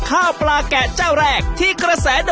ขอบคุณเฮียครับ